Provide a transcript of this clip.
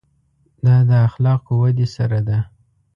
دا د اخلاقو ودې سره ده.